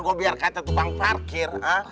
gue biar kata tupang parkir ha